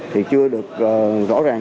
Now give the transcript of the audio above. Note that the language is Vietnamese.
thì chưa được rõ ràng